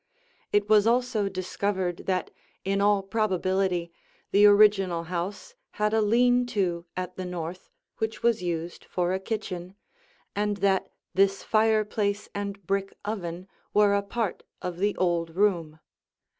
It was also discovered that in all probability the original house had a lean to at the north which was used for a kitchen, and that this fireplace and brick oven were a part of the old room.